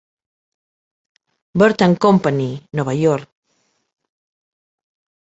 Burt and Company, Nova York.